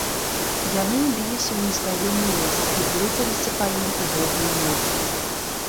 Яны ўбіліся ў незнаёмы лес і блыталіся па ім і гэтую ноч.